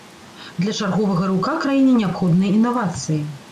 Для чарговага рыўка краіне неабходныя інавацыі.